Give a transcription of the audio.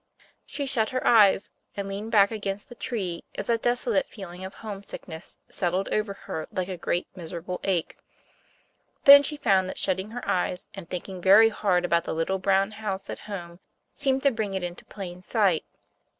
She shut her eyes, and leaned back against the tree as that desolate feeling of homesickness settled over her like a great miserable ache. Then she found that shutting her eyes, and thinking very hard about the little brown house at home, seemed to bring it into plain sight.